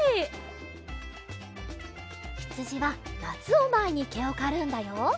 ひつじはなつをまえにけをかるんだよ。